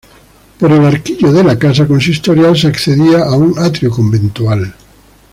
Por el arquillo de la casa consistorial se accedía a un atrio conventual.